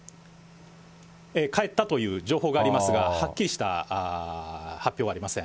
帰ったという情報がありますが、はっきりした発表はありません。